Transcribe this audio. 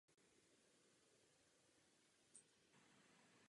Léto je suché a horké.